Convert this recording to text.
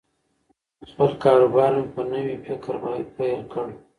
خپل کاروبار مې په نوي فکر پیل کړ.